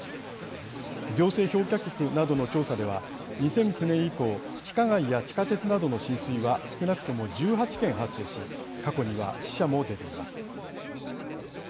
行政評価局などの調査では２００９年以降地下街や地下鉄などの浸水は少なくとも１８件発生し過去には死者も出ています。